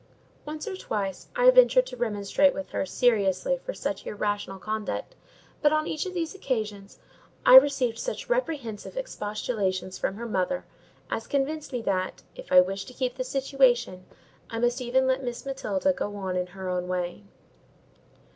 Once or twice, I ventured to remonstrate with her seriously for such irrational conduct; but on each of those occasions, I received such reprehensive expostulations from her mother, as convinced me that, if I wished to keep the situation, I must even let Miss Matilda go on in her own way.